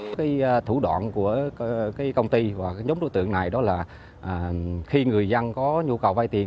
cái thủ đoạn của cái công ty và cái nhóm đối tượng này đó là khi người dân có nhu cầu vay tiền